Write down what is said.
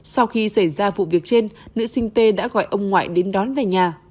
sau khi xảy ra vụ việc trên nữ sinh tê đã gọi ông ngoại đến đón về nhà